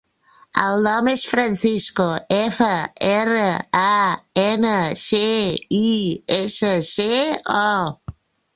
El nom és Francisco: efa, erra, a, ena, ce, i, essa, ce, o.